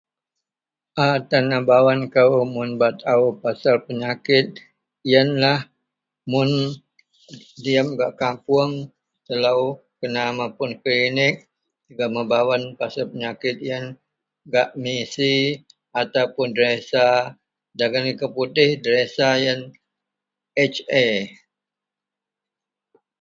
. a tenebawan kou mun bak taau pasal penyakit ienlah mun diem gak kapoung telou kena mapun klinik jegum membawen pasal penyakit ien gak misi ataupun deresa, dagen liko putih deresa ien HA